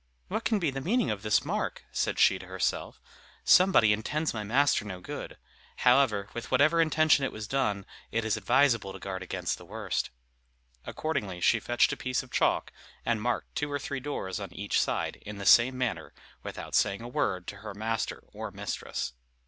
"What can be the meaning of this mark?" said she to herself; "somebody intends my master no good: however, with whatever intention it was done, it is advisable to guard against the worst." Accordingly, she fetched a piece of chalk, and marked two or three doors on each side, in the same manner, without saying a word to her master or mistress.